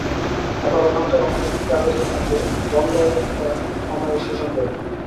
আবার ওখানকার অন্য একটি কাগজের মতে দণ্ড অপেক্ষা ক্ষমাই সুসঙ্গত।